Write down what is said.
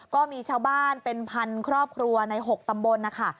ก็มีชาวบ้านเป็นพันครอบครัวใน๖ตำบลนะคะ